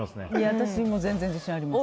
私も全然自信あります。